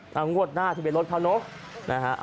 ทางรถหน้าที่เป็นรถข้าวโน๊กนะฮะ